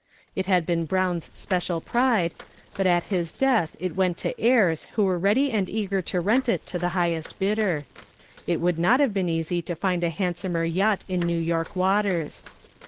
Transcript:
It had been Brown's special pride, but at his death it went to heirs who were ready and eager to rent it to the highest bidder. It would not have been easy to find a handsomer yacht in New York waters.